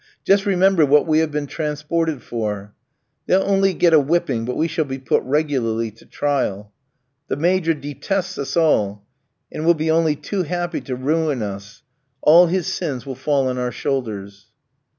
Just remember what we have been transported for. They'll only get a whipping, but we shall be put regularly to trial. The Major detests us all, and will be only too happy to ruin us; all his sins will fall on our shoulders."